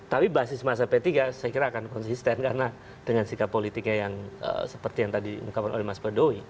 tapi basis masa p tiga saya kira akan konsisten karena dengan sikap politiknya yang seperti yang tadi diungkapkan oleh mas badowi